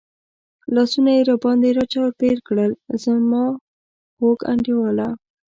لاسونه یې را باندې را چاپېر کړل، زما خوږ انډیواله.